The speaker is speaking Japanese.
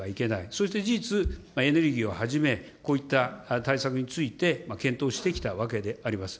そして事実、エネルギーをはじめ、こういった対策について検討してきたわけであります。